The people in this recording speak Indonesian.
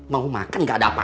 mau makan gak ada apa apa